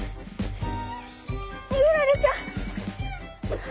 にげられちゃう！